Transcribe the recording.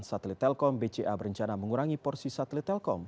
satelit telkom bca berencana mengurangi porsi satelit telkom